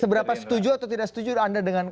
seberapa setuju atau tidak setuju anda dengan